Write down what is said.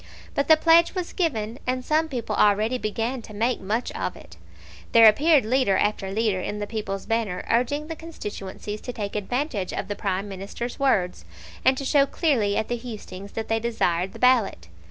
But the pledge was given, and some people already began to make much of it. There appeared leader after leader in the People's Banner urging the constituencies to take advantage of the Prime Minister's words, and to show clearly at the hustings that they desired the ballot.